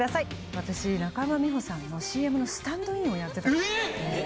私、中山美穂さんのＣＭのスタンドインをやってえ？